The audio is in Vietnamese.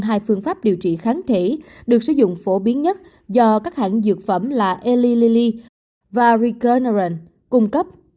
hai phương pháp điều trị kháng thể được sử dụng phổ biến nhất do các hãng dược phẩm là eli và recernern cung cấp